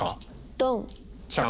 ドン。